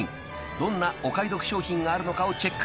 ［どんなお買い得商品があるのかをチェック］